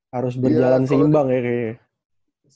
harus berjalan seimbang ya kayaknya